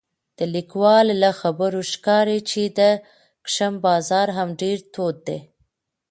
د لیکوال له خبرو ښکاري چې د کشم بازار هم ډېر تود دی